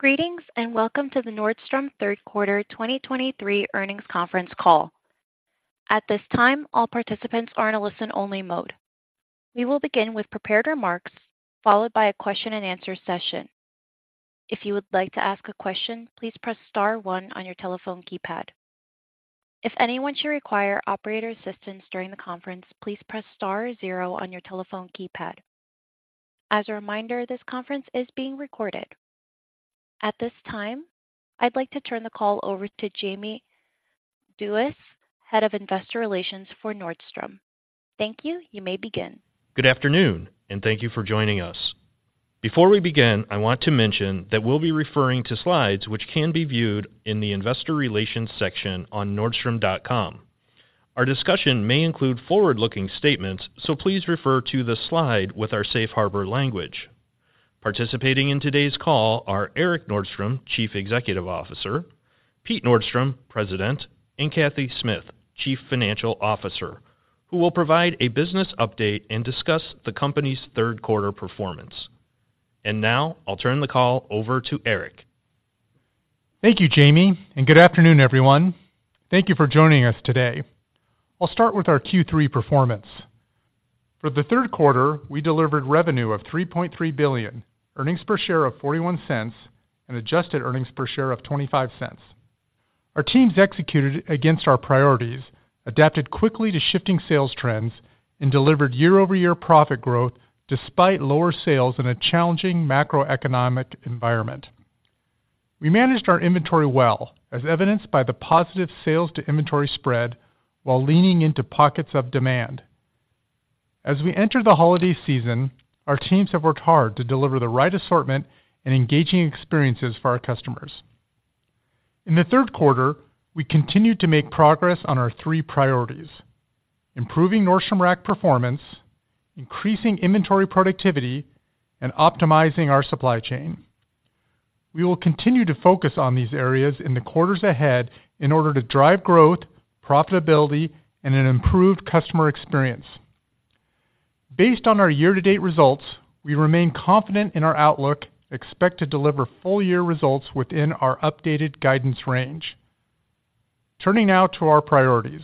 Greetings, and welcome to the Nordstrom Third Quarter 2023 Earnings Conference Call. At this time, all participants are in a listen-only mode. We will begin with prepared remarks, followed by a question-and-answer session. If you would like to ask a question, please press star one on your telephone keypad. If anyone should require operator assistance during the conference, please press star zero on your telephone keypad. As a reminder, this conference is being recorded. At this time, I'd like to turn the call over to James Duies, Head of Investor Relations for Nordstrom. Thank you. You may begin. Good afternoon, and thank you for joining us. Before we begin, I want to mention that we'll be referring to slides, which can be viewed in the Investor Relations section on Nordstrom.com. Our discussion may include forward-looking statements, so please refer to the slide with our safe harbor language. Participating in today's call are Erik Nordstrom, Chief Executive Officer, Pete Nordstrom, President, and Cathy Smith, Chief Financial Officer, who will provide a business update and discuss the company's third quarter performance. Now I'll turn the call over to Erik. Thank you, Jamie, and good afternoon, everyone. Thank you for joining us today. I'll start with our Q3 performance. For the third quarter, we delivered revenue of $3.3 billion, earnings per share of $0.41, and adjusted earnings per share of $0.25. Our teams executed against our priorities, adapted quickly to shifting sales trends, and delivered year-over-year profit growth despite lower sales in a challenging macroeconomic environment. We managed our inventory well, as evidenced by the positive sales to inventory spread, while leaning into pockets of demand. As we enter the holiday season, our teams have worked hard to deliver the right assortment and engaging experiences for our customers. In the third quarter, we continued to make progress on our three priorities: improving Nordstrom Rack performance, increasing inventory productivity, and optimizing our supply chain. We will continue to focus on these areas in the quarters ahead in order to drive growth, profitability, and an improved customer experience. Based on our year-to-date results, we remain confident in our outlook, expect to deliver full-year results within our updated guidance range. Turning now to our priorities.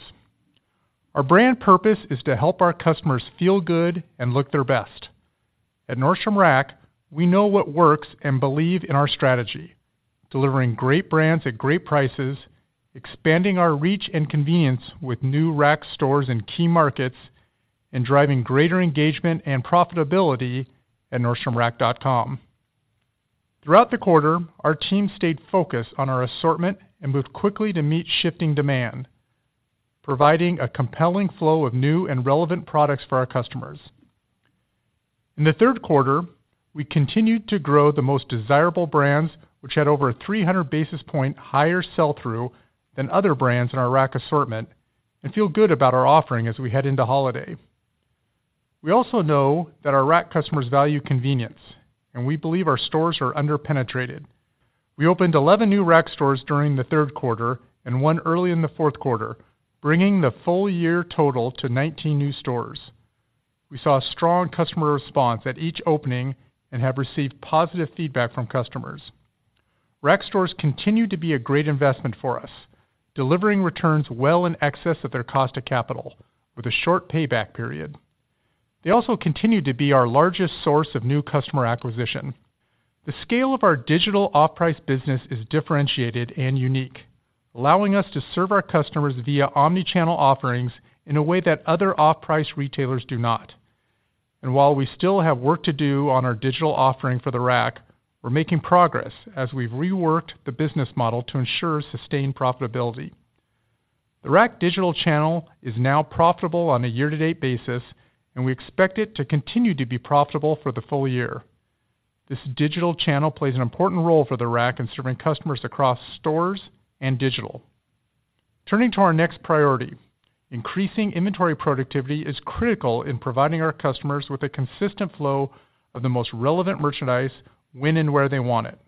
Our brand purpose is to help our customers feel good and look their best. At Nordstrom Rack, we know what works and believe in our strategy, delivering great brands at great prices, expanding our reach and convenience with new Rack stores in key markets, and driving greater engagement and profitability at NordstromRack.com. Throughout the quarter, our team stayed focused on our assortment and moved quickly to meet shifting demand, providing a compelling flow of new and relevant products for our customers. In the third quarter, we continued to grow the most desirable brands, which had over 300 basis points higher sell-through than other brands in our Rack assortment, and feel good about our offering as we head into holiday. We also know that our Rack customers value convenience, and we believe our stores are under-penetrated. We opened 11 new Rack stores during the third quarter and 1 early in the fourth quarter, bringing the full-year total to 19 new stores. We saw a strong customer response at each opening and have received positive feedback from customers. Rack stores continue to be a great investment for us, delivering returns well in excess of their cost of capital with a short payback period. They also continue to be our largest source of new customer acquisition. The scale of our digital off-price business is differentiated and unique, allowing us to serve our customers via omni-channel offerings in a way that other off-price retailers do not. While we still have work to do on our digital offering for the Rack, we're making progress as we've reworked the business model to ensure sustained profitability. The Rack digital channel is now profitable on a year-to-date basis, and we expect it to continue to be profitable for the full year. This digital channel plays an important role for the Rack in serving customers across stores and digital. Turning to our next priority, increasing inventory productivity is critical in providing our customers with a consistent flow of the most relevant merchandise when and where they want it.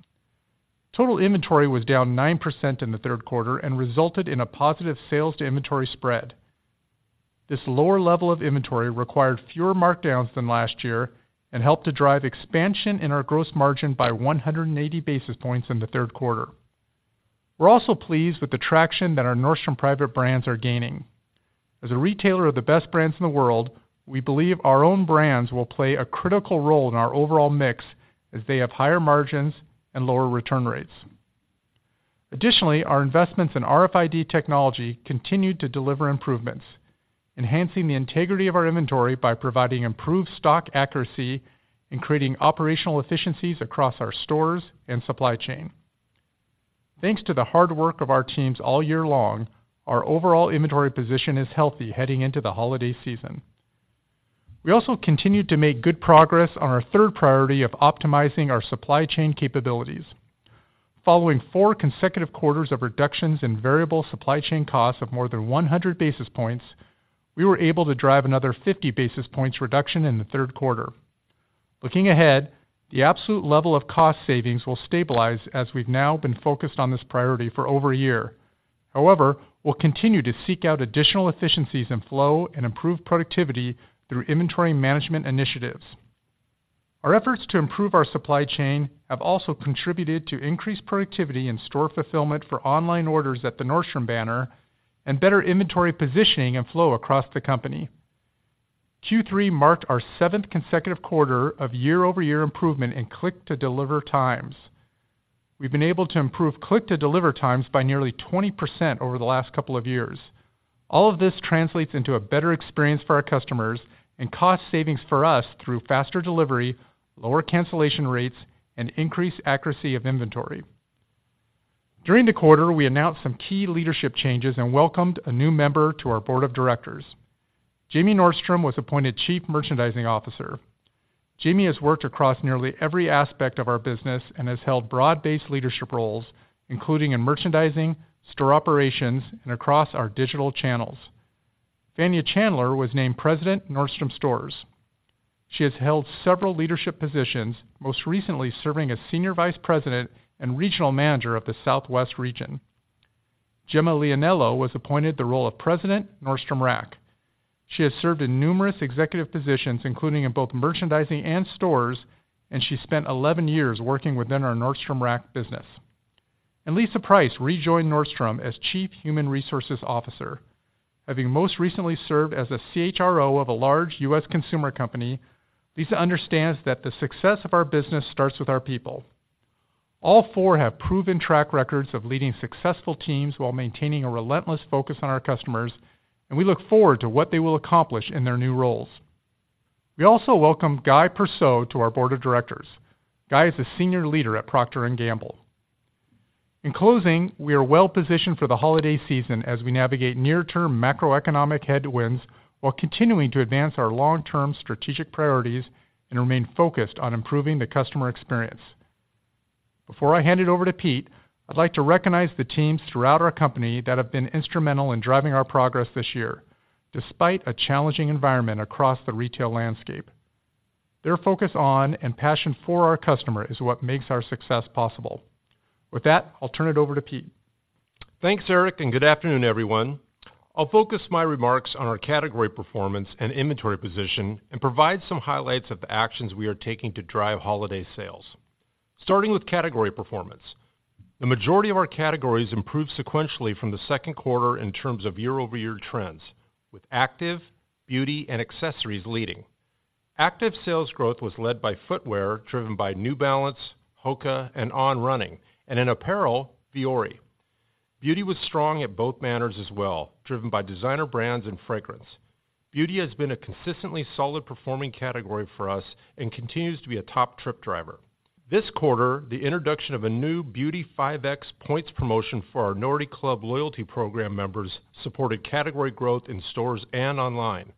Total inventory was down 9% in the third quarter and resulted in a positive sales to inventory spread. This lower level of inventory required fewer markdowns than last year and helped to drive expansion in our gross margin by 180 basis points in the third quarter. We're also pleased with the traction that our Nordstrom private brands are gaining. As a retailer of the best brands in the world, we believe our own brands will play a critical role in our overall mix as they have higher margins and lower return rates. Additionally, our investments in RFID technology continued to deliver improvements, enhancing the integrity of our inventory by providing improved stock accuracy and creating operational efficiencies across our stores and supply chain. Thanks to the hard work of our teams all year long, our overall inventory position is healthy heading into the holiday season. We also continued to make good progress on our third priority of optimizing our supply chain capabilities. Following four consecutive quarters of reductions in variable supply chain costs of more than 100 basis points, we were able to drive another 50 basis points reduction in the third quarter. Looking ahead, the absolute level of cost savings will stabilize as we've now been focused on this priority for over a year... However, we'll continue to seek out additional efficiencies and flow, and improve productivity through inventory management initiatives. Our efforts to improve our supply chain have also contributed to increased productivity and store fulfillment for online orders at the Nordstrom banner, and better inventory positioning and flow across the company. Q3 marked our 7th consecutive quarter of year-over-year improvement in click-to-deliver times. We've been able to improve click-to-deliver times by nearly 20% over the last couple of years. All of this translates into a better experience for our customers and cost savings for us through faster delivery, lower cancellation rates, and increased accuracy of inventory. During the quarter, we announced some key leadership changes and welcomed a new member to our board of directors. Jamie Nordstrom was appointed Chief Merchandising Officer. Jamie has worked across nearly every aspect of our business and has held broad-based leadership roles, including in merchandising, store operations, and across our digital channels. Fanya Chandler was named President, Nordstrom Stores. She has held several leadership positions, most recently serving as Senior Vice President and Regional Manager of the Southwest region. Gemma Lionello was appointed the role of President, Nordstrom Rack. She has served in numerous executive positions, including in both merchandising and stores, and she spent 11 years working within our Nordstrom Rack business. Lisa Price rejoined Nordstrom as Chief Human Resources Officer, having most recently served as a CHRO of a large U.S. consumer company. Lisa understands that the success of our business starts with our people. All four have proven track records of leading successful teams while maintaining a relentless focus on our customers, and we look forward to what they will accomplish in their new roles. We also welcomed Guy Persaud to our board of directors. Guy is a senior leader at Procter & Gamble. In closing, we are well-positioned for the holiday season as we navigate near-term macroeconomic headwinds, while continuing to advance our long-term strategic priorities and remain focused on improving the customer experience. Before I hand it over to Pete, I'd like to recognize the teams throughout our company that have been instrumental in driving our progress this year, despite a challenging environment across the retail landscape. Their focus on and passion for our customer is what makes our success possible. With that, I'll turn it over to Pete. Thanks, Erik, and good afternoon, everyone. I'll focus my remarks on our category performance and inventory position and provide some highlights of the actions we are taking to drive holiday sales. Starting with category performance. The majority of our categories improved sequentially from the second quarter in terms of year-over-year trends, with active, beauty, and accessories leading. Active sales growth was led by footwear, driven by New Balance, Hoka, and On Running, and in apparel, Vuori. Beauty was strong at both banners as well, driven by designer brands and fragrance. Beauty has been a consistently solid-performing category for us and continues to be a top trip driver. This quarter, the introduction of a new Beauty 5X points promotion for our Nordy Club loyalty program members supported category growth in stores and online.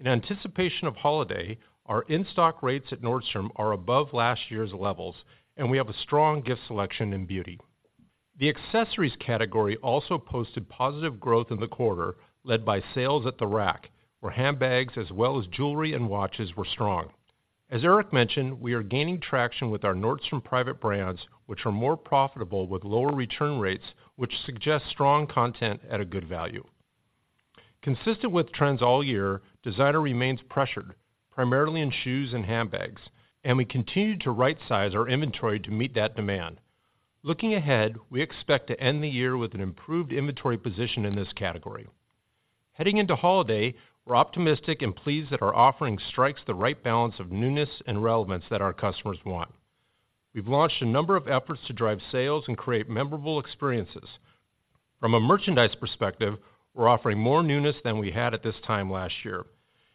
In anticipation of holiday, our in-stock rates at Nordstrom are above last year's levels, and we have a strong gift selection in beauty. The accessories category also posted positive growth in the quarter, led by sales at The Rack, where handbags as well as jewelry and watches were strong. As Erik mentioned, we are gaining traction with our Nordstrom private brands, which are more profitable with lower return rates, which suggests strong content at a good value. Consistent with trends all year, designer remains pressured, primarily in shoes and handbags, and we continue to rightsize our inventory to meet that demand. Looking ahead, we expect to end the year with an improved inventory position in this category. Heading into holiday, we're optimistic and pleased that our offering strikes the right balance of newness and relevance that our customers want. We've launched a number of efforts to drive sales and create memorable experiences. From a merchandise perspective, we're offering more newness than we had at this time last year,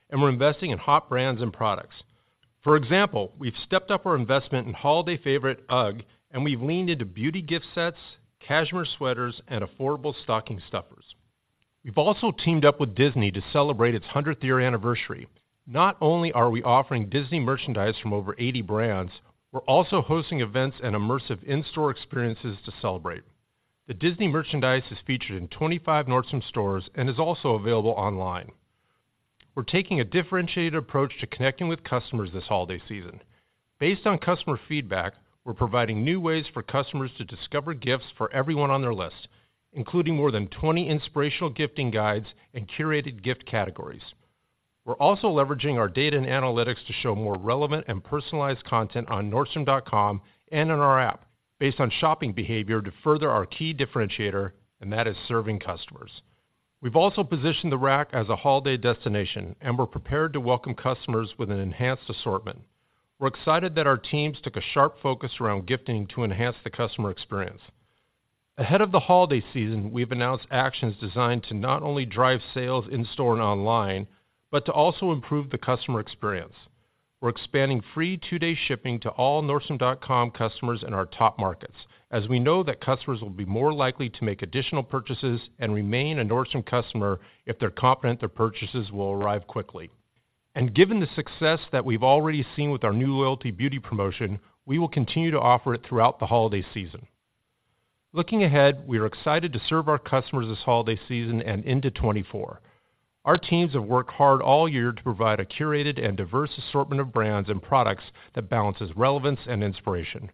and we're investing in hot brands and products. For example, we've stepped up our investment in holiday favorite UGG, and we've leaned into beauty gift sets, cashmere sweaters, and affordable stocking stuffers. We've also teamed up with Disney to celebrate its 100-year anniversary. Not only are we offering Disney merchandise from over 80 brands, we're also hosting events and immersive in-store experiences to celebrate. The Disney merchandise is featured in 25 Nordstrom stores and is also available online. We're taking a differentiated approach to connecting with customers this holiday season. Based on customer feedback, we're providing new ways for customers to discover gifts for everyone on their list, including more than 20 inspirational gifting guides and curated gift categories. We're also leveraging our data and analytics to show more relevant and personalized content on Nordstrom.com and on our app, based on shopping behavior, to further our key differentiator, and that is serving customers. We've also positioned The Rack as a holiday destination, and we're prepared to welcome customers with an enhanced assortment. We're excited that our teams took a sharp focus around gifting to enhance the customer experience. Ahead of the holiday season, we've announced actions designed to not only drive sales in-store and online, but to also improve the customer experience. We're expanding free two-day shipping to all Nordstrom.com customers in our top markets, as we know that customers will be more likely to make additional purchases and remain a Nordstrom customer if they're confident their purchases will arrive quickly. Given the success that we've already seen with our new loyalty beauty promotion, we will continue to offer it throughout the holiday season. Looking ahead, we are excited to serve our customers this holiday season and into 2024. Our teams have worked hard all year to provide a curated and diverse assortment of brands and products that balances relevance and inspiration.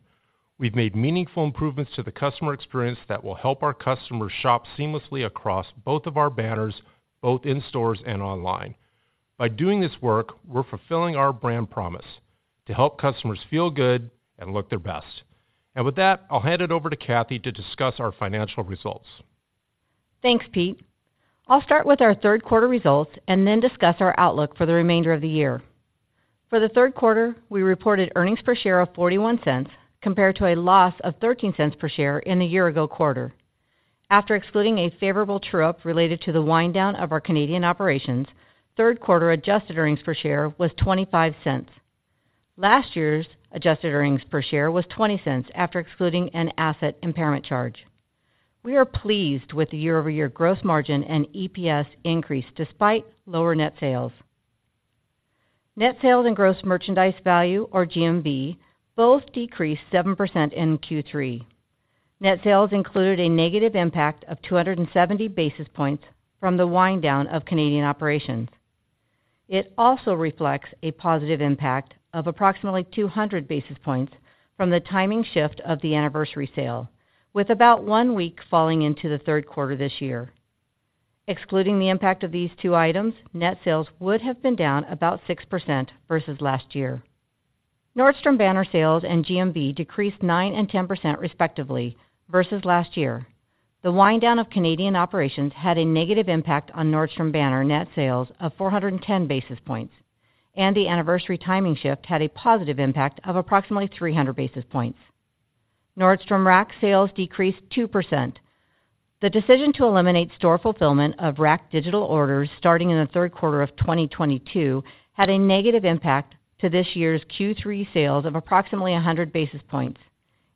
We've made meaningful improvements to the customer experience that will help our customers shop seamlessly across both of our banners, both in stores and online. By doing this work, we're fulfilling our brand promise: to help customers feel good and look their best. And with that, I'll hand it over to Cathy to discuss our financial results. Thanks, Pete. I'll start with our third quarter results and then discuss our outlook for the remainder of the year. For the third quarter, we reported earnings per share of $0.41, compared to a loss of $0.13 per share in the year-ago quarter. After excluding a favorable true-up related to the wind down of our Canadian operations, third quarter adjusted earnings per share was $0.25. Last year's adjusted earnings per share was $0.20 after excluding an asset impairment charge. We are pleased with the year-over-year growth margin and EPS increase despite lower net sales. Net sales and gross merchandise value, or GMV, both decreased 7% in Q3. Net sales included a negative impact of 270 basis points from the wind down of Canadian operations. It also reflects a positive impact of approximately 200 basis points from the timing shift of the Anniversary Sale, with about one week falling into the third quarter this year. Excluding the impact of these two items, net sales would have been down about 6% versus last year. Nordstrom banner sales and GMV decreased 9% and 10%, respectively, versus last year. The wind down of Canadian operations had a negative impact on Nordstrom banner net sales of 410 basis points, and the anniversary timing shift had a positive impact of approximately 300 basis points. Nordstrom Rack sales decreased 2%. The decision to eliminate store fulfillment of Rack digital orders starting in the third quarter of 2022, had a negative impact to this year's Q3 sales of approximately 100 basis points,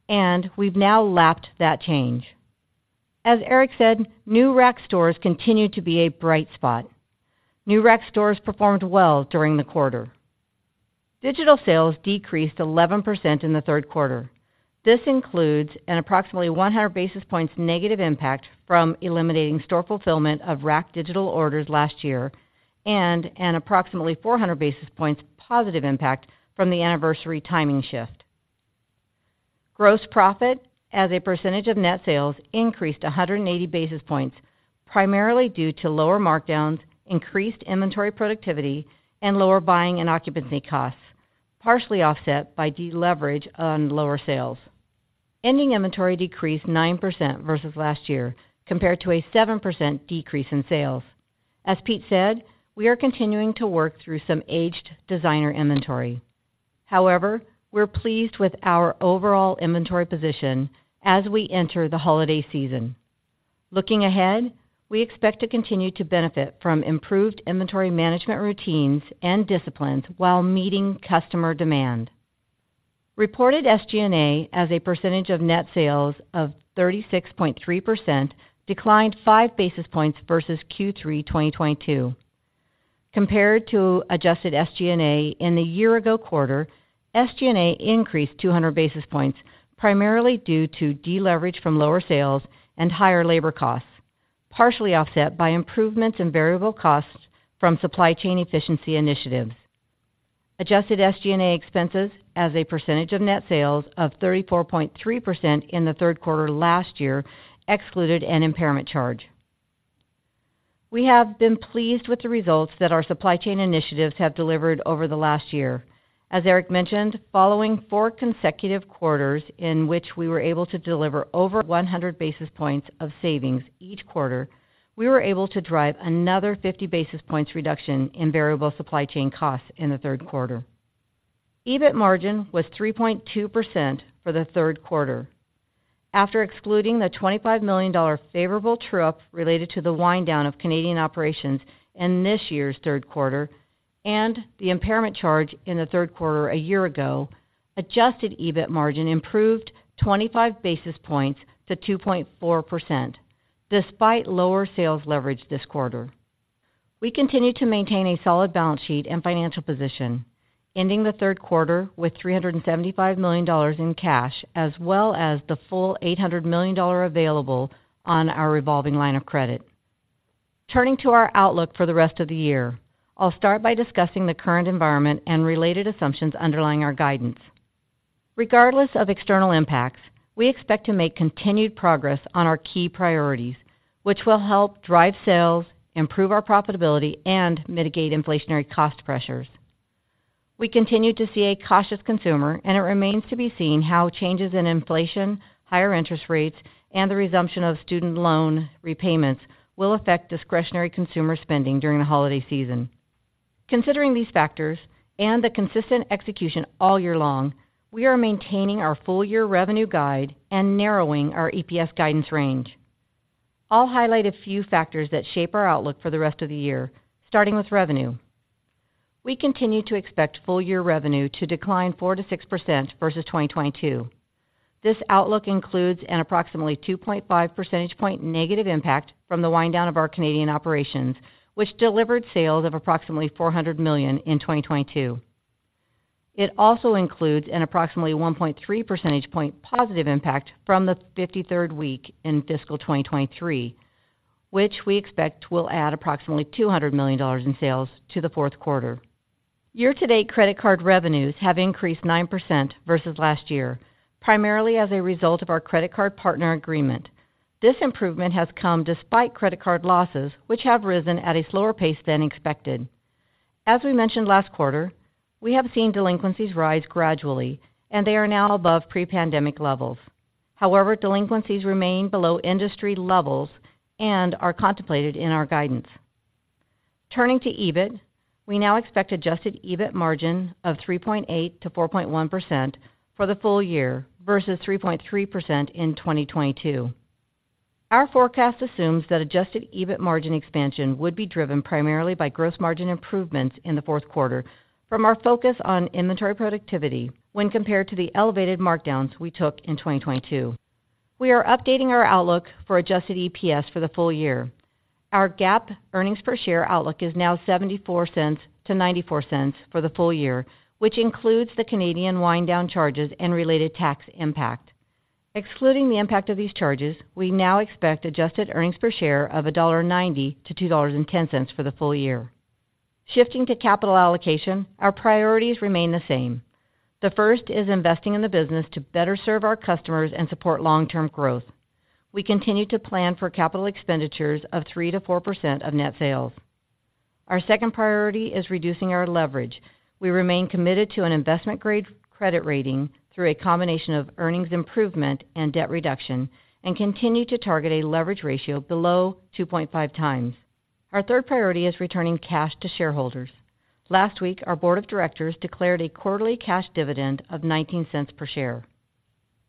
and we've now lapped that change. As Erik said, new Rack stores continue to be a bright spot. New Rack stores performed well during the quarter. Digital sales decreased 11% in the third quarter. This includes an approximately 100 basis points negative impact from eliminating store fulfillment of Rack digital orders last year, and an approximately 400 basis points positive impact from the anniversary timing shift. Gross profit as a percentage of net sales increased 180 basis points, primarily due to lower markdowns, increased inventory productivity, and lower buying and occupancy costs, partially offset by deleverage on lower sales. Ending inventory decreased 9% versus last year, compared to a 7% decrease in sales. As Pete said, we are continuing to work through some aged designer inventory. However, we're pleased with our overall inventory position as we enter the holiday season. Looking ahead, we expect to continue to benefit from improved inventory management routines and disciplines while meeting customer demand. Reported SG&A as a percentage of net sales of 36.3% declined 5 basis points versus Q3 2022. Compared to adjusted SG&A in the year-ago quarter, SG&A increased 200 basis points, primarily due to deleverage from lower sales and higher labor costs, partially offset by improvements in variable costs from supply chain efficiency initiatives. Adjusted SG&A expenses as a percentage of net sales of 34.3% in the third quarter last year excluded an impairment charge. We have been pleased with the results that our supply chain initiatives have delivered over the last year. As Erik mendtioned, following four consecutive quarters in which we were able to deliver over 100 basis points of savings each quarter, we were able to drive another 50 basis points reduction in variable supply chain costs in the third quarter. EBIT margin was 3.2% for the third quarter. After excluding the $25 million favorable true-up related to the wind down of Canadian operations in this year's third quarter and the impairment charge in the third quarter a year ago, adjusted EBIT margin improved 25 basis points to 2.4%, despite lower sales leverage this quarter. We continue to maintain a solid balance sheet and financial position, ending the third quarter with $375 million in cash, as well as the full $800 million available on our revolving line of credit. Turning to our outlook for the rest of the year. I'll start by discussing the current environment and related assumptions underlying our guidance. Regardless of external impacts, we expect to make continued progress on our key priorities, which will help drive sales, improve our profitability, and mitigate inflationary cost pressures. We continue to see a cautious consumer, and it remains to be seen how changes in inflation, higher interest rates, and the resumption of student loan repayments will affect discretionary consumer spending during the holiday season. Considering these factors and the consistent execution all year long, we are maintaining our full-year revenue guide and narrowing our EPS guidance range. I'll highlight a few factors that shape our outlook for the rest of the year, starting with revenue. We continue to expect full-year revenue to decline 4%-6% versus 2022. This outlook includes an approximately 2.5 percentage point negative impact from the wind down of our Canadian operations, which delivered sales of approximately $400 million in 2022. It also includes an approximately 1.3 percentage point positive impact from the 53rd week in fiscal 2023, which we expect will add approximately $200 million in sales to the fourth quarter. Year-to-date credit card revenues have increased 9% versus last year, primarily as a result of our credit card partner agreement. This improvement has come despite credit card losses, which have risen at a slower pace than expected. As we mentioned last quarter, we have seen delinquencies rise gradually, and they are now above pre-pandemic levels. However, delinquencies remain below industry levels and are contemplated in our guidance. Turning to EBIT, we now expect adjusted EBIT margin of 3.8%-4.1% for the full year, versus 3.3% in 2022. Our forecast assumes that adjusted EBIT margin expansion would be driven primarily by gross margin improvements in the fourth quarter from our focus on inventory productivity when compared to the elevated markdowns we took in 2022. We are updating our outlook for adjusted EPS for the full year. Our GAAP earnings per share outlook is now $0.74-$0.94 for the full year, which includes the Canadian wind-down charges and related tax impact. Excluding the impact of these charges, we now expect adjusted earnings per share of $1.90-$2.10 for the full year. Shifting to capital allocation, our priorities remain the same. The first is investing in the business to better serve our customers and support long-term growth. We continue to plan for capital expenditures of 3%-4% of net sales. Our second priority is reducing our leverage. We remain committed to an investment-grade credit rating through a combination of earnings improvement and debt reduction, and continue to target a leverage ratio below 2.5 times. Our third priority is returning cash to shareholders. Last week, our board of directors declared a quarterly cash dividend of $0.19 per share.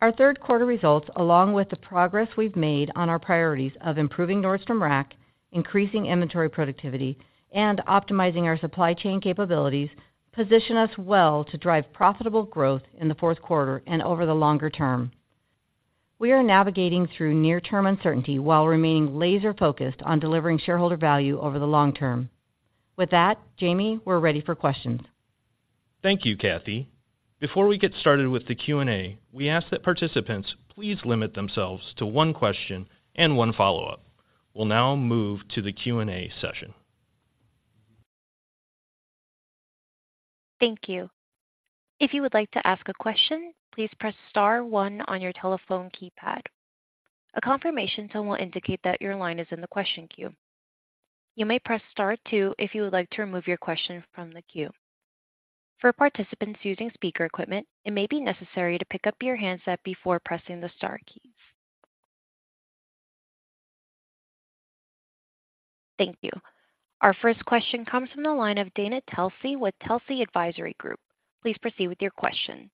Our third quarter results, along with the progress we've made on our priorities of improving Nordstrom Rack, increasing inventory productivity, and optimizing our supply chain capabilities, position us well to drive profitable growth in the fourth quarter and over the longer term. We are navigating through near-term uncertainty while remaining laser-focused on delivering shareholder value over the long term. With that, Jamie, we're ready for questions. Thank you, Cathy. Before we get started with the Q&A, we ask that participants please limit themselves to one question and one follow-up. We'll now move to the Q&A session. Thank you. If you would like to ask a question, please press star one on your telephone keypad. A confirmation tone will indicate that your line is in the question queue. You may press star two if you would like to remove your question from the queue. For participants using speaker equipment, it may be necessary to pick up your handset before pressing the star keys. Thank you. Our first question comes from the line of Dana Telsey with Telsey Advisory Group. Please proceed with your question.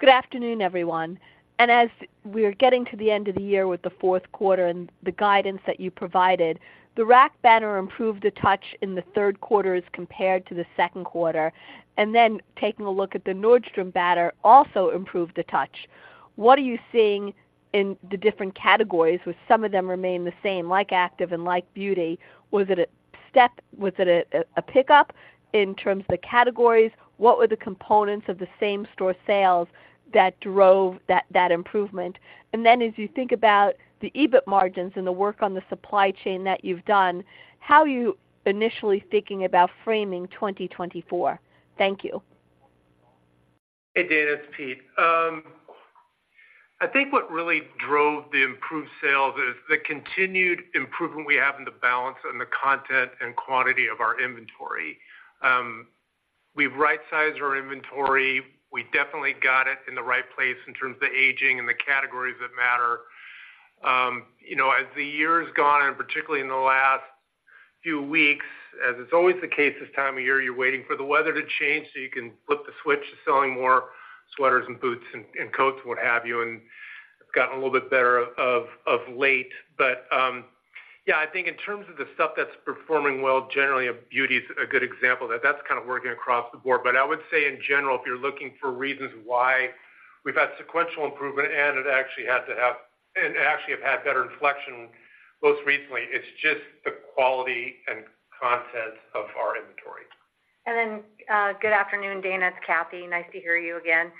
Good afternoon, everyone. As we're getting to the end of the year with the fourth quarter and the guidance that you provided, the Rack banner improved a touch in the third quarter as compared to the second quarter, and then taking a look at the Nordstrom banner, also improved a touch. What are you seeing in the different categories, with some of them remain the same, like active and like beauty? Was it a pickup in terms of the categories? What were the components of the same-store sales that drove that improvement? And then as you think about the EBIT margins and the work on the supply chain that you've done, how are you initially thinking about framing 2024? Thank you. Hey, Dana, it's Pete. I think what really drove the improved sales is the continued improvement we have in the balance and the content and quantity of our inventory. We've right-sized our inventory. We definitely got it in the right place in terms of the aging and the categories that matter. You know, as the year has gone, and particularly in the last few weeks, as is always the case this time of year, you're waiting for the weather to change so you can flip the switch to selling more sweaters and boots and coats, what have you, and it's gotten a little bit better of late. But, yeah, I think in terms of the stuff that's performing well, generally, beauty is a good example. That's kind of working across the board. But I would say in general, if you're looking for reasons why we've had sequential improvement and actually have had better inflection most recently, it's just the quality and content of our inventory. And then, good afternoon, Dana, it's Cathy. Nice to hear you again.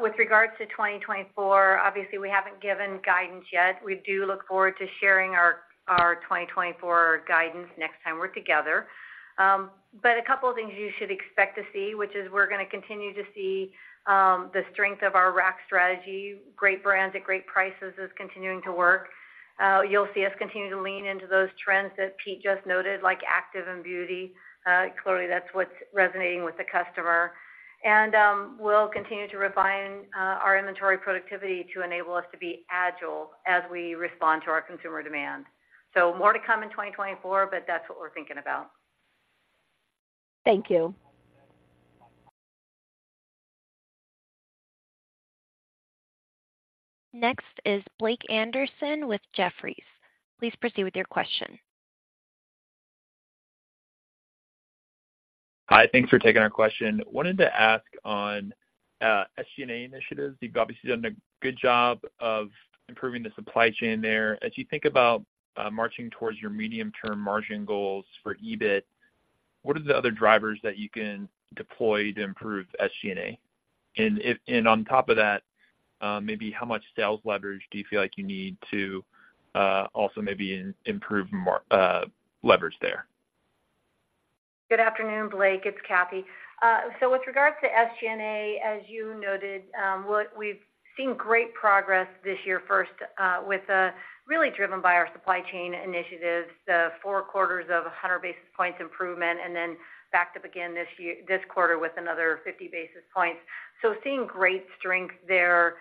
With regards to 2024, obviously, we haven't given guidance yet. We do look forward to sharing our, our 2024 guidance next time we're together. But a couple of things you should expect to see, which is we're gonna continue to see the strength of our Rack strategy. Great brands at great prices is continuing to work. You'll see us continue to lean into those trends that Pete just noted, like active and beauty. Clearly, that's what's resonating with the customer. And we'll continue to refine our inventory productivity to enable us to be agile as we respond to our consumer demand. So more to come in 2024, but that's what we're thinking about. Thank you. Next is Blake Anderson with Jefferies. Please proceed with your question. Hi, thanks for taking our question. Wanted to ask on-... SG&A initiatives. You've obviously done a good job of improving the supply chain there. As you think about marching towards your medium-term margin goals for EBIT, what are the other drivers that you can deploy to improve SG&A? And on top of that, maybe how much sales leverage do you feel like you need to also maybe improve more leverage there? Good afternoon, Blake. It's Cathy. So with regards to SG&A, as you noted, what we've seen great progress this year first, with really driven by our supply chain initiatives, the four quarters of 100 basis points improvement, and then backed up again this year, this quarter with another 50 basis points. So seeing great strength there,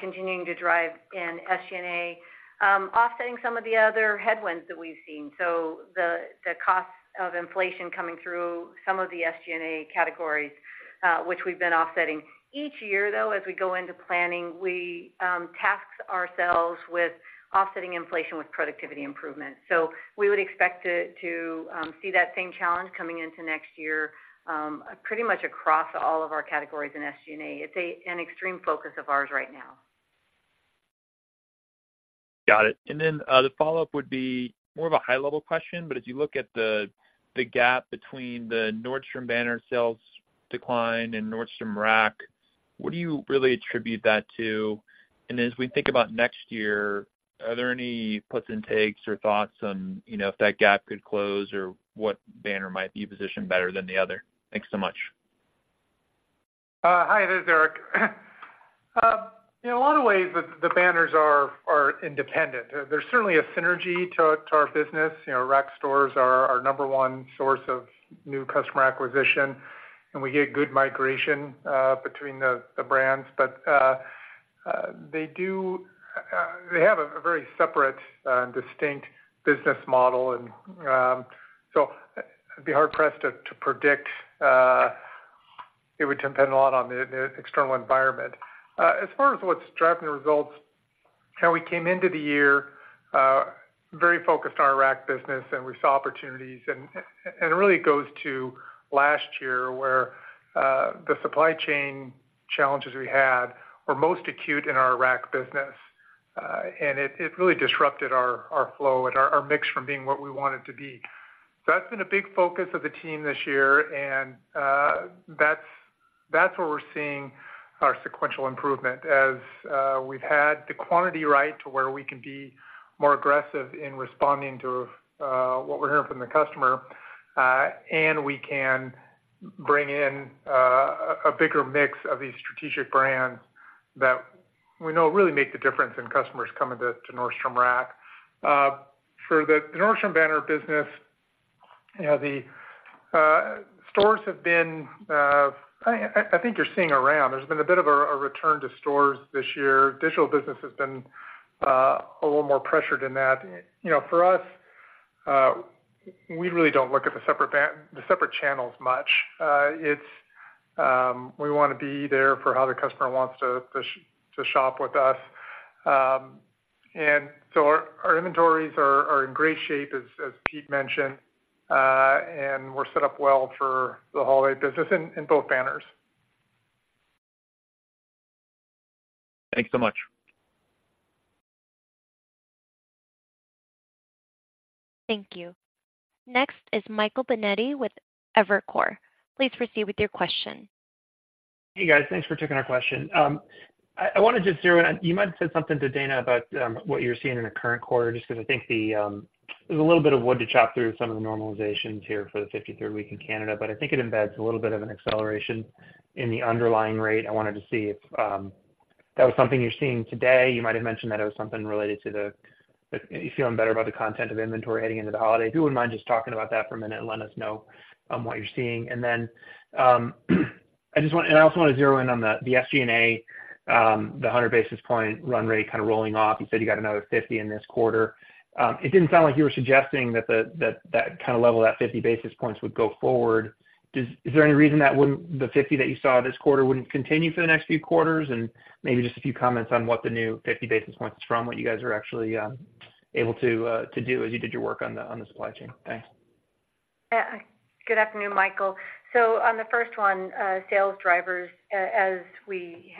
continuing to drive in SG&A, offsetting some of the other headwinds that we've seen. So the cost of inflation coming through some of the SG&A categories, which we've been offsetting. Each year, though, as we go into planning, we task ourselves with offsetting inflation with productivity improvement. So we would expect to see that same challenge coming into next year, pretty much across all of our categories in SG&A. It's an extreme focus of ours right now. Got it. And then, the follow-up would be more of a high-level question, but as you look at the gap between the Nordstrom banner sales decline and Nordstrom Rack, what do you really attribute that to? And as we think about next year, are there any puts and takes or thoughts on, you know, if that gap could close, or what banner might be positioned better than the other? Thanks so much. Hi, this is Erik. In a lot of ways, the banners are independent. There's certainly a synergy to our business. You know, Rack stores are our number one source of new customer acquisition, and we get good migration between the brands. But they do—they have a very separate and distinct business model. And so I'd be hard-pressed to predict. It would depend a lot on the external environment. As far as what's driving the results, how we came into the year, very focused on our Rack business, and we saw opportunities. It really goes to last year, where the supply chain challenges we had were most acute in our Rack business, and it really disrupted our flow and our mix from being what we want it to be. So that's been a big focus of the team this year, and that's where we're seeing our sequential improvement as we've had the quantity right to where we can be more aggressive in responding to what we're hearing from the customer, and we can bring in a bigger mix of these strategic brands that we know really make the difference in customers coming to Nordstrom Rack. For the Nordstrom banner business, you know, the stores have been... I think you're seeing around. There's been a bit of a return to stores this year. Digital business has been a little more pressured in that. You know, for us, we really don't look at the separate channels much. It's we wanna be there for how the customer wants to shop with us. And so our inventories are in great shape, as Pete mentioned, and we're set up well for the holiday business in both banners. Thanks so much. Thank you. Next is Michael Binetti with Evercore. Please proceed with your question. Hey, guys. Thanks for taking our question. I wanted to zero in. You might have said something to Dana about what you're seeing in the current quarter, just because I think there's a little bit of wood to chop through some of the normalizations here for the 53rd week in Canada, but I think it embeds a little bit of an acceleration in the underlying rate. I wanted to see if that was something you're seeing today. You might have mentioned that it was something related to the. If you're feeling better about the content of inventory heading into the holiday. If you wouldn't mind just talking about that for a minute and letting us know what you're seeing. And I also want to zero in on the, the SG&A, the 100 basis point run rate kind of rolling off. You said you got another 50 in this quarter. It didn't sound like you were suggesting that the, that that kind of level, that 50 basis points, would go forward. Is there any reason that wouldn't, the 50 that you saw this quarter, wouldn't continue for the next few quarters? And maybe just a few comments on what the new 50 basis points from what you guys are actually able to, to do as you did your work on the, on the supply chain. Thanks. Yeah. Good afternoon, Michael. So on the first one, sales drivers, as we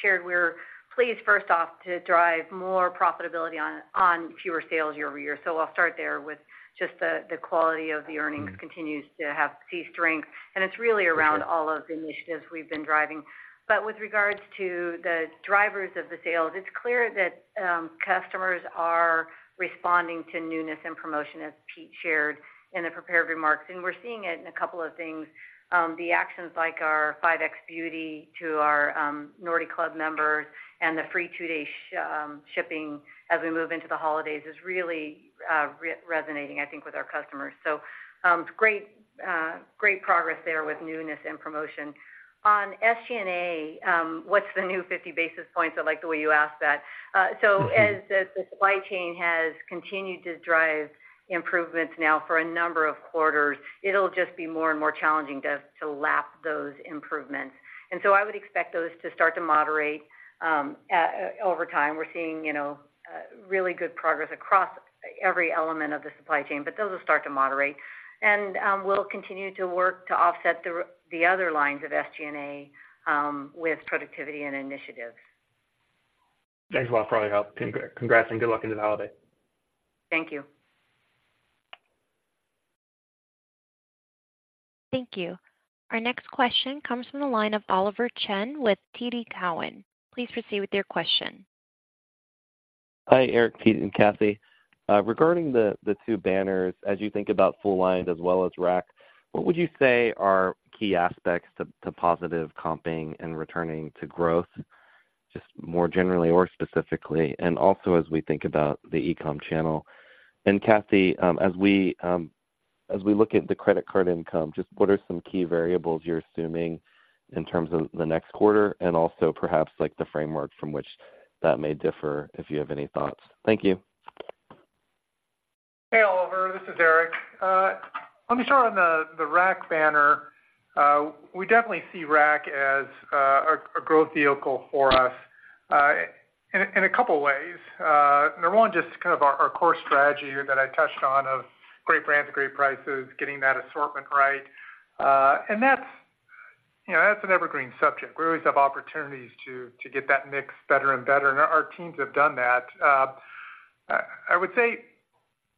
shared, we're pleased, first off, to drive more profitability on fewer sales year-over-year. So I'll start there with just the quality of the earnings continues to have strength, and it's really around all of the initiatives we've been driving. But with regards to the drivers of the sales, it's clear that customers are responding to newness and promotion, as Pete shared in the prepared remarks, and we're seeing it in a couple of things. The actions like our 5X Beauty to our Nordy Club members and the free two-day shipping as we move into the holidays is really resonating, I think, with our customers. So, great progress there with newness and promotion. On SG&A, what's the new 50 basis points? I like the way you asked that. So as the supply chain has continued to drive improvements now for a number of quarters, it'll just be more and more challenging to lap those improvements. And so I would expect those to start to moderate over time. We're seeing, you know, really good progress across every element of the supply chain, but those will start to moderate. And we'll continue to work to offset the other lines of SG&A with productivity and initiatives.... Thanks a lot for all your help. Congrats, and good luck into the holiday. Thank you. Thank you. Our next question comes from the line of Oliver Chen with TD Cowen. Please proceed with your question. Hi, Erik, Pete, and Cathy. Regarding the, the two banners, as you think about full-line as well as Rack, what would you say are key aspects to, to positive comping and returning to growth, just more generally or specifically, and also as we think about the e-com channel? And Cathy, as we, as we look at the credit card income, just what are some key variables you're assuming in terms of the next quarter, and also perhaps, like, the framework from which that may differ, if you have any thoughts? Thank you. Hey, Oliver, this is Erik. Let me start on the Rack banner. We definitely see Rack as a growth vehicle for us in a couple of ways. Number one, just kind of our core strategy here that I touched on of great brands, great prices, getting that assortment right. And that's, you know, that's an evergreen subject. We always have opportunities to get that mix better and better, and our teams have done that. I would say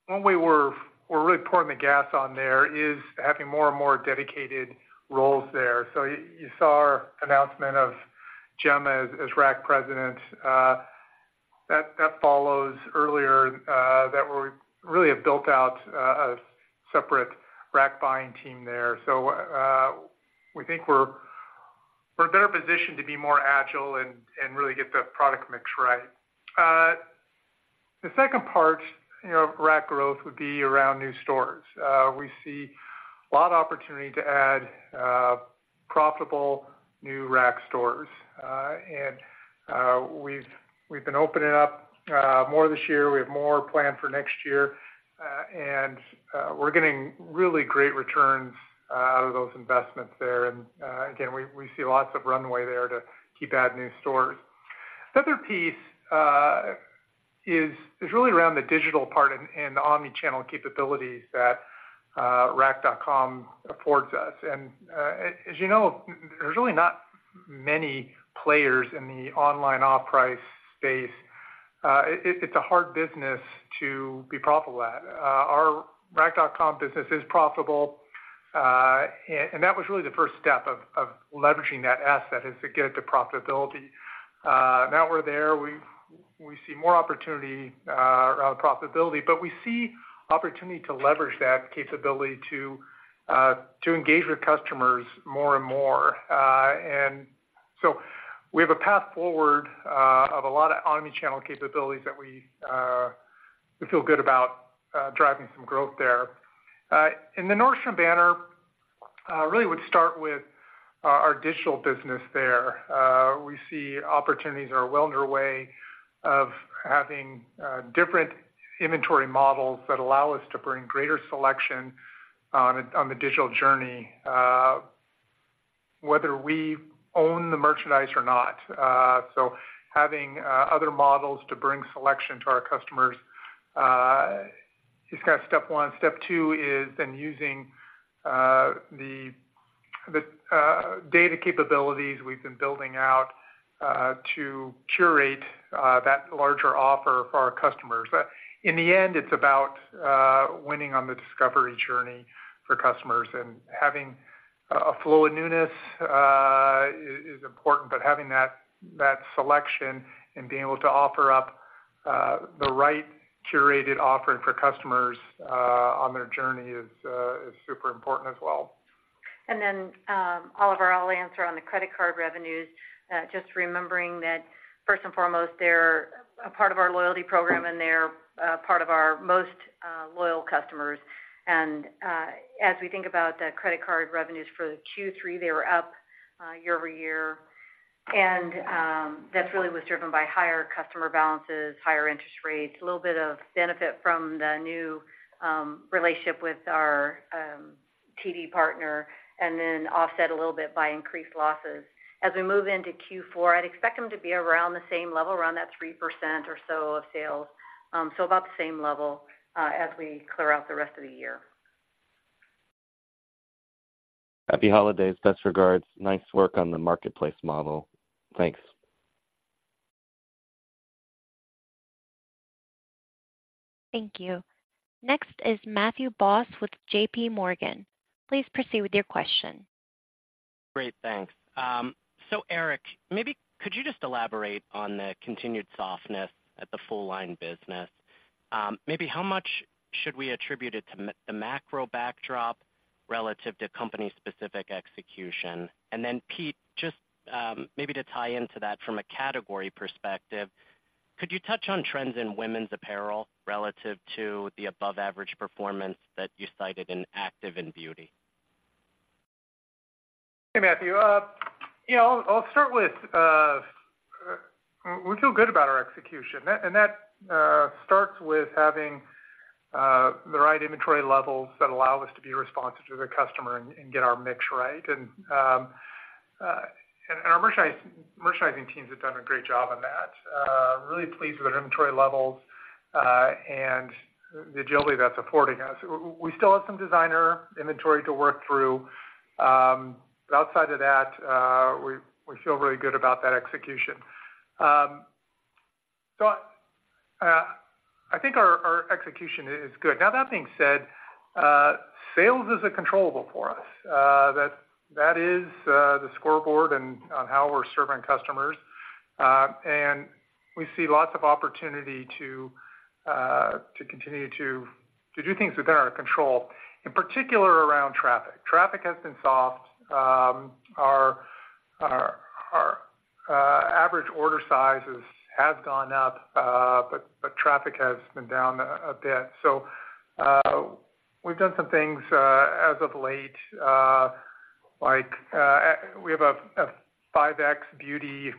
when we were, we're really pouring the gas on there is having more and more dedicated roles there. So you saw our announcement of Gemma as Rack president. That follows earlier that we really have built out a separate Rack buying team there. So, we think we're in a better position to be more agile and really get the product mix right. The second part, you know, of Rack growth would be around new stores. We see a lot of opportunity to add profitable new Rack stores. We've been opening up more this year. We have more planned for next year, and we're getting really great returns out of those investments there. Again, we see lots of runway there to keep adding new stores. The other piece is really around the digital part and the omni-channel capabilities that Rack.com affords us. As you know, there's really not many players in the online off-price space. It's a hard business to be profitable at. Our Rack.com business is profitable, and that was really the first step of leveraging that asset, is to get it to profitability. Now we're there, we see more opportunity around profitability, but we see opportunity to leverage that capability to engage with customers more and more. And so we have a path forward of a lot of omni-channel capabilities that we feel good about driving some growth there. In the Nordstrom banner, really would start with our digital business there. We see opportunities are well underway of having different inventory models that allow us to bring greater selection on the digital journey, whether we own the merchandise or not. So having other models to bring selection to our customers is kind of step one. Step two is then using the data capabilities we've been building out to curate that larger offer for our customers. In the end, it's about winning on the discovery journey for customers and having a flow of newness is important, but having that selection and being able to offer up the right curated offering for customers on their journey is super important as well. And then, Oliver, I'll answer on the credit card revenues, just remembering that first and foremost, they're a part of our loyalty program, and they're part of our most loyal customers. As we think about the credit card revenues for Q3, they were up year-over-year. That really was driven by higher customer balances, higher interest rates, a little bit of benefit from the new relationship with our TD partner, and then offset a little bit by increased losses. As we move into Q4, I'd expect them to be around the same level, around that 3% or so of sales, so about the same level, as we clear out the rest of the year. Happy holidays. Best regards. Nice work on the marketplace model. Thanks. Thank you. Next is Matthew Boss with JPMorgan. Please proceed with your question. Great, thanks. So Erik, maybe could you just elaborate on the continued softness at the full-line business? Maybe how much should we attribute it to the macro backdrop relative to company-specific execution? And then, Pete, just maybe to tie into that from a category perspective, could you touch on trends in women's apparel relative to the above-average performance that you cited in active and beauty? Hey, Matthew. You know, I'll start with, we feel good about our execution. And that starts with having the right inventory levels that allow us to be responsive to the customer and get our mix right. And our merchandising teams have done a great job on that. Really pleased with our inventory levels and the agility that's affording us. We still have some designer inventory to work through. But outside of that, we feel really good about that execution. So, I think our execution is good. Now, that being said, sales is a controllable for us. That is the scoreboard and on how we're serving customers. And we see lots of opportunity to continue to do things within our control, in particular, around traffic. Traffic has been soft. Our average order sizes has gone up, but traffic has been down a bit. So, we've done some things as of late, like, we have a 5X beauty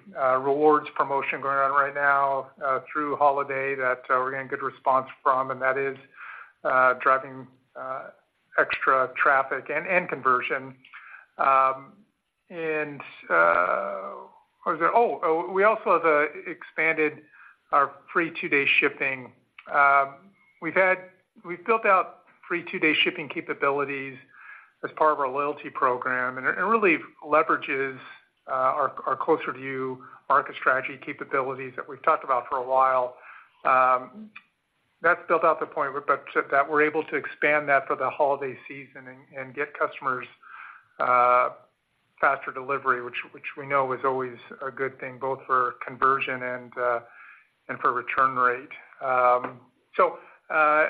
rewards promotion going on right now through holiday, that we're getting good response from, and that is driving extra traffic and conversion. We also have expanded our free two-day shipping. We've built out free two-day shipping capabilities as part of our loyalty program, and it really leverages our closer to you market strategy capabilities that we've talked about for a while. That's built out the point, but that we're able to expand that for the holiday season and get customers faster delivery, which we know is always a good thing, both for conversion and for return rate. So,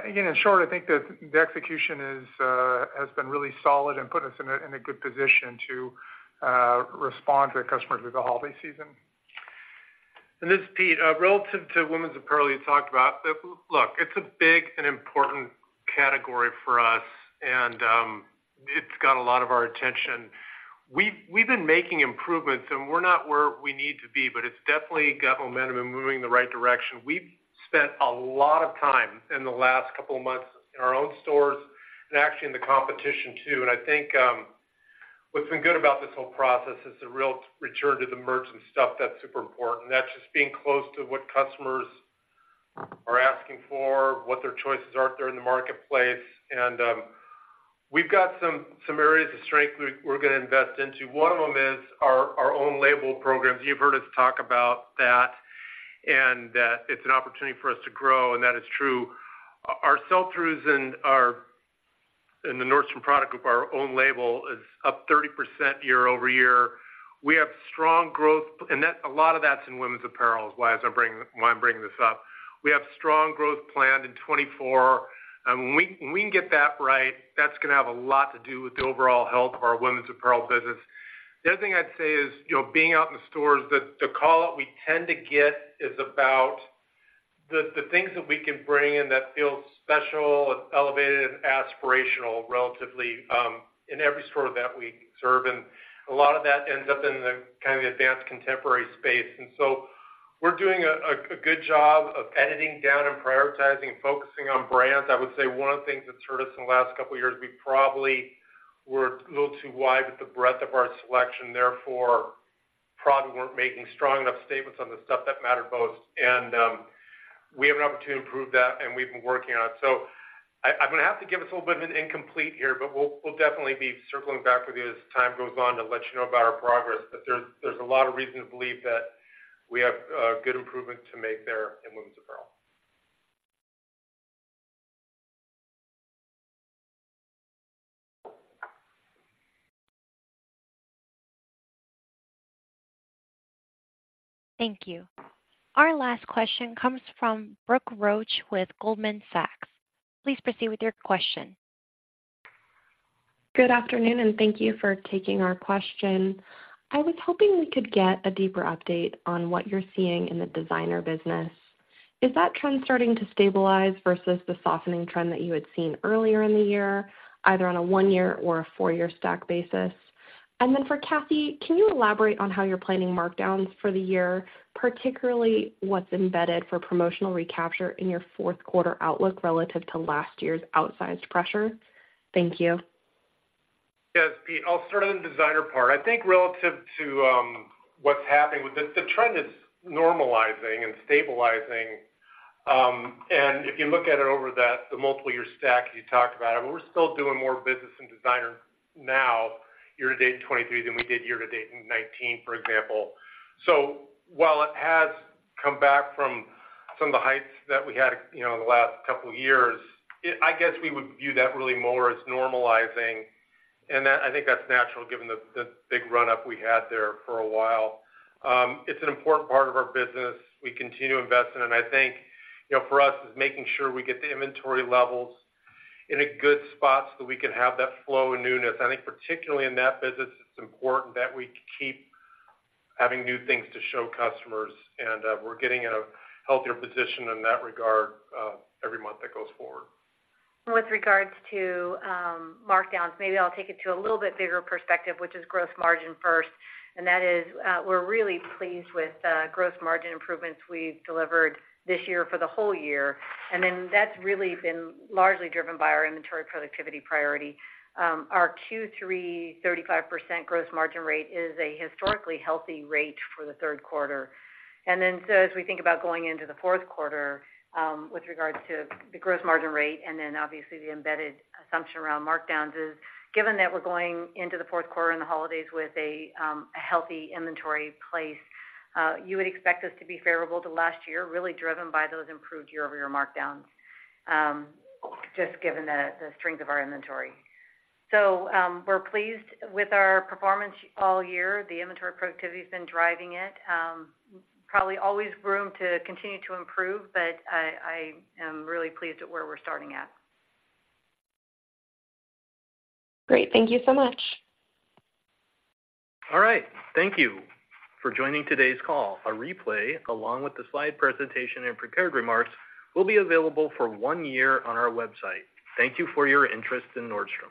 again, in short, I think the execution has been really solid and put us in a good position to respond to our customers through the holiday season. And this is Pete. Relative to women's apparel, you talked about, look, it's a big and important category for us, and it's got a lot of our attention. We've been making improvements, and we're not where we need to be, but it's definitely got momentum and moving in the right direction. We've spent a lot of time in the last couple of months in our own stores and actually in the competition, too. And I think, what's been good about this whole process is the real return to the merchant stuff that's super important. That's just being close to what customers are asking for, what their choices are out there in the marketplace. And we've got some areas of strength we're gonna invest into. One of them is our own label programs. You've heard us talk about that, and that it's an opportunity for us to grow, and that is true. Our sell-throughs in the Nordstrom Product Group, our own label, is up 30% year-over-year. We have strong growth, and that a lot of that's in women's apparel, is why I'm bringing this up. We have strong growth planned in 2024, and when we can get that right, that's gonna have a lot to do with the overall health of our women's apparel business. The other thing I'd say is, you know, being out in the stores, the call-out we tend to get is about the things that we can bring in that feels special, elevated, and aspirational, relatively, in every store that we serve. A lot of that ends up in the kind of advanced contemporary space. So we're doing a good job of editing down and prioritizing, focusing on brands. I would say one of the things that's hurt us in the last couple of years, we probably were a little too wide with the breadth of our selection, therefore, probably weren't making strong enough statements on the stuff that mattered both. We have an opportunity to improve that, and we've been working on it. I'm gonna have to give us a little bit of an incomplete here, but we'll definitely be circling back with you as time goes on to let you know about our progress. There's a lot of reason to believe that we have good improvement to make there in women's apparel. Thank you. Our last question comes from Brooke Roach with Goldman Sachs. Please proceed with your question. Good afternoon, and thank you for taking our question. I was hoping we could get a deeper update on what you're seeing in the designer business. Is that trend starting to stabilize versus the softening trend that you had seen earlier in the year, either on a one-year or a four-year stack basis? And then for Cathy, can you elaborate on how you're planning markdowns for the year, particularly what's embedded for promotional recapture in your fourth quarter outlook relative to last year's outsized pressure? Thank you. Yes, Pete. I'll start on the designer part. I think relative to what's happening with the-- the trend is normalizing and stabilizing. And if you look at it over the multiple year stack, you talked about it, we're still doing more business in designer now, year to date 2023 than we did year to date in 2019, for example. So while it has come back from some of the heights that we had, you know, in the last couple of years, I guess we would view that really more as normalizing, and I think that's natural, given the big run-up we had there for a while. It's an important part of our business. We continue to invest in, and I think, you know, for us, is making sure we get the inventory levels in a good spot so that we can have that flow and newness. I think particularly in that business, it's important that we keep having new things to show customers, and, we're getting in a healthier position in that regard, every month that goes forward. With regards to markdowns, maybe I'll take it to a little bit bigger perspective, which is gross margin first, and that is, we're really pleased with the gross margin improvements we've delivered this year for the whole year. And then that's really been largely driven by our inventory productivity priority. Our Q3 35% gross margin rate is a historically healthy rate for the third quarter. And then so as we think about going into the fourth quarter, with regards to the gross margin rate, and then obviously, the embedded assumption around markdowns is, given that we're going into the fourth quarter in the holidays with a healthy inventory place, you would expect us to be favorable to last year, really driven by those improved year-over-year markdowns, just given the strength of our inventory. So, we're pleased with our performance all year. The inventory productivity has been driving it. Probably always room to continue to improve, but I am really pleased at where we're starting at. Great. Thank you so much. All right. Thank you for joining today's call. A replay, along with the slide presentation and prepared remarks, will be available for one year on our website. Thank you for your interest in Nordstrom.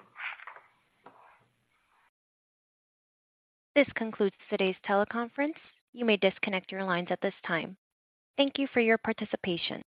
This concludes today's teleconference. You may disconnect your lines at this time. Thank you for your participation.